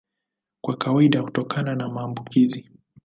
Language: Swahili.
Kwa kawaida hutokana na maambukizi.